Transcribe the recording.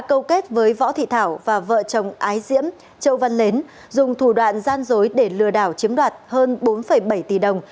câu kết với võ thị thảo và vợ chồng ái diễm châu văn nến dùng thủ đoạn gian dối để lừa đảo chiếm đoạt hơn bốn bảy tỷ đồng